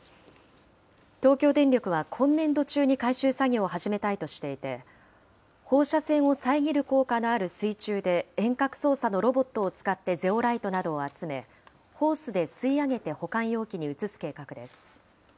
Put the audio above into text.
東京電力は今年度中に回収作業を始めたいとしていて、放射線を遮る効果のある水中で遠隔操作のロボットを使ってゼオライトなどを集め、ホースで吸い上げて保管容器に移す計画です。